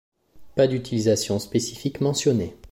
Pas d’utilisation spécifique mentionnée.